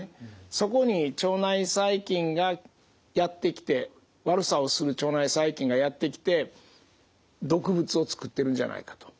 そこに腸内細菌がやって来て悪さをする腸内細菌がやって来て毒物を作ってるんじゃないかと。